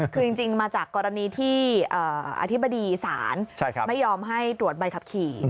คือจริงมาจากกรณีที่อธิบดีศาลไม่ยอมให้ตรวจใบขับขี่